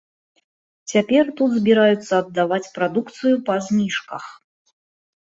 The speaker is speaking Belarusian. Цяпер тут збіраюцца аддаваць прадукцыю па зніжках.